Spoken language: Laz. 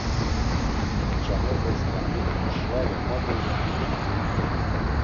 Ç̌amepeskani şvare ma do vuǩitxi.